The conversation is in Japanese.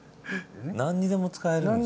何にでも使えるんですね。